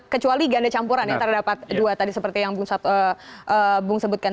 kecuali ganda sampuran yang tadi ada dua seperti yang bung sebutkan